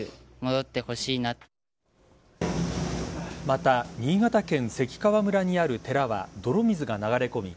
また、新潟県関川村にある寺は泥水が流れ込み